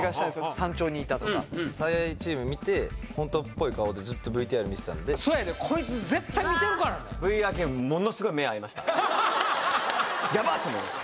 山頂にいたとかホントっぽい顔でずっとＶＴＲ見てたんでそうやでこいつ絶対見てるからねＶ明けものすごい目合いましたヤバッと思いました